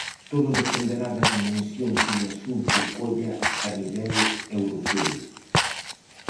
Todo dependerá da dimensión que o asunto colla a nivel europeo.